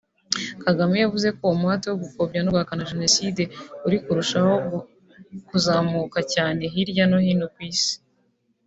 Kagame yavuze ko umuhate wo gupfobya no guhakana Jenoside uri kurushaho kuzamuka cyane hirya no hino ku isi